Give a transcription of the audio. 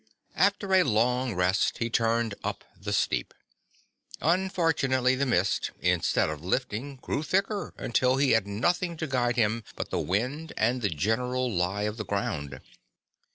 After a long rest he turned up the steep. Unfortunately the mist, instead of lifting, grew thicker until he had nothing to guide him but the wind and the general lie of the ground.